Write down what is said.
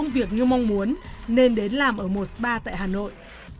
việc như mong muốn nên đến làm ở một spa tại hà nội